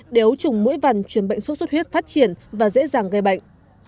để ấu trùng mũi vằn chuyển bệnh sốt xuất huyết phát triển và dễ dàng gây bệnh